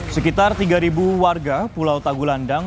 sekitar tiga warga pulau tagu landang